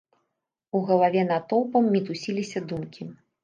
У галаве натоўпам мітусіліся думкі.